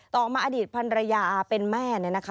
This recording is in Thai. ต่อมาอดีตพันธุ์ระยาเป็นแม่เนี่ยนะคะ